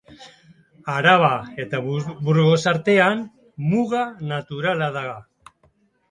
Araba eta Burgos artean, muga naturala da.